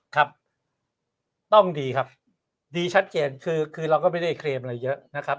ครับต้องดีครับดีชัดเจนคือเราก็ไม่ได้เคลมอะไรเยอะนะครับ